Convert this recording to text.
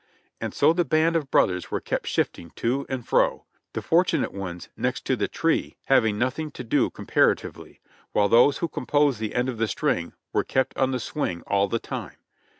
And so the band of brothers were kept shifting to and fro ; the fortunate ones next to the tree having nothing to do comparatively, while those who composed the end of the string were kept on the swing all the time.